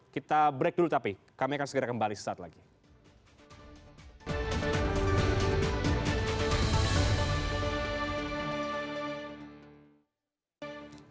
kita break dulu tapi kami akan segera kembali sesaat lagi